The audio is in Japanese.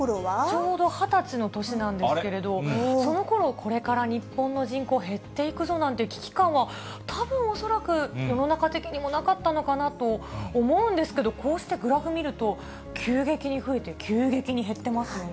ちょうど２０歳の年なんですけれど、そのころ、これから日本の人口減っていくぞなんて危機感は、たぶん恐らく世の中的にもなかったのかなと思うんですけど、こうしてグラフ見ると、急激に増えて、急激に減ってますよね。